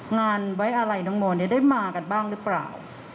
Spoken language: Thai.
งานไว้อะไรน้องโมได้มากันบ้างหรือเปล่า